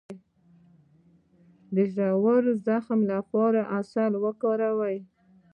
د ژور زخم لپاره عسل وکاروئ